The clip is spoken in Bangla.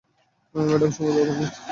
ম্যাডাম, শুভ জন্মদিন।